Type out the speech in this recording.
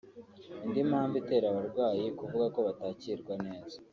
Indi mpamvu itera abarwayi kuvuga ko batakirwa neza